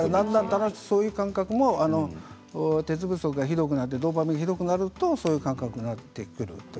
そういう感覚も鉄不足がひどくなってドーパミンがひどくなるとそういう感覚になってくる。